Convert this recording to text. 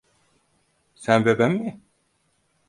Sen ve ben mi?